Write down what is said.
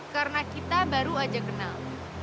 karena kita baru saja kenal